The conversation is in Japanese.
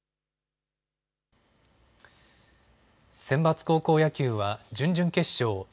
センバツ高校野球は準々決勝。